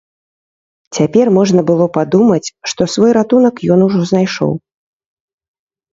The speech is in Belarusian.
Цяпер можна было падумаць, што свой ратунак ён ужо знайшоў.